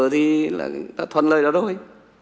thì là thuận lời đó rồi